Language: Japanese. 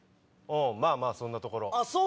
まぁまぁそんなところ。